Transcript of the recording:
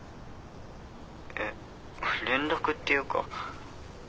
えっ連絡っていうか。